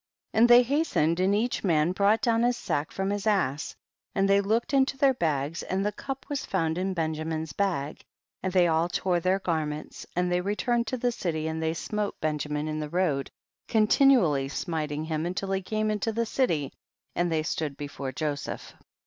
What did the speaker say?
27. And they hastened and each man brought down his sack from his ass, and they looked in their bags and the cup was found in Benjamin's bag, and they all tore their garments and they returned to the city, and they smote Benjamin in the road, continually smiting him until he came into the city, and they stood before Joseph.